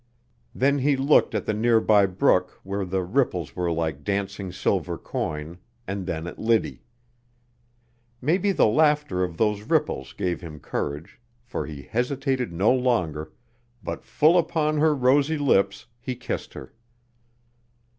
Then he looked at the near by brook where the ripples were like dancing silver coin, and then at Liddy. Maybe the laughter of those ripples gave him courage, for he hesitated no longer, but full upon her rosy lips he kissed her.